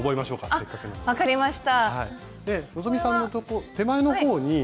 あっ分かりました。